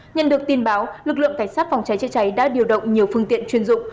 nhận được tin báo lực lượng cảnh sát phòng cháy chữa cháy đã điều động nhiều phương tiện chuyên dụng